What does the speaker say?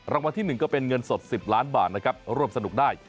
รับมาที่หนึ่งก็เป็นเงินสด๑๐ล้านบาทนะครับรวมสนุกได้